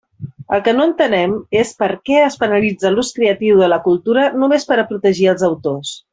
El que no entenem és per què es penalitza l'ús creatiu de la cultura només per a protegir els autors.